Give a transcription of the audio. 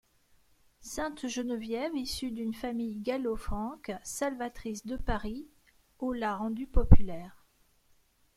Sainte Geneviève issue d'une famille gallo-franque, salvatrice de Paris au l'a rendu populaire.